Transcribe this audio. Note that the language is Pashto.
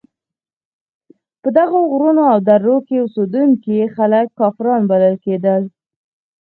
په دغو غرونو او درو کې اوسېدونکي خلک کافران بلل کېدل.